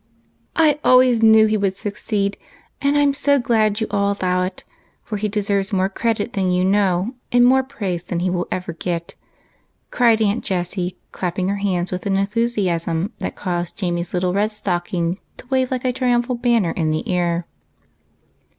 "I always knew he would succeed, and I'm so glad you all allow it, for he deserves more credit than you know, and more praise than he will ever get," cried Aunt Jessie, clapping her hands with an enthusiasm that caused Jamie's little red stocking to wave like a triumphal banner in the air.